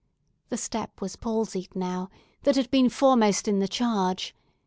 The step was palsied now, that had been foremost in the charge.